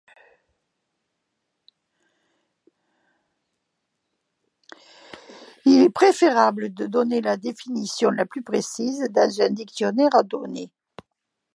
Il est préférable de donner la définition la plus précise dans un dictionnaire donné.